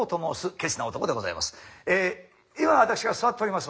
今私が座っております